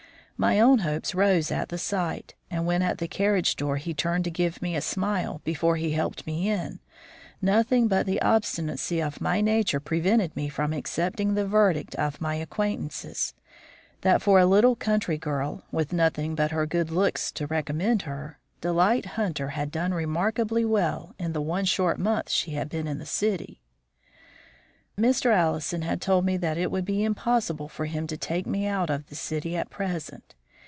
My own hopes rose at the sight, and when at the carriage door he turned to give me a smile before he helped me in, nothing but the obstinacy of my nature prevented me from accepting the verdict of my acquaintances, "That for a little country girl, with nothing but her good looks to recommend her, Delight Hunter had done remarkably well in the one short month she had been in the city." Mr. Allison had told me that it would be impossible for him to take me out of the city at present.